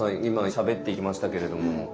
今しゃべってきましたけれども。